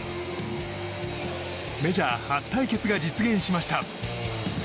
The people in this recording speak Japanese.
メジャー初対決が実現しました。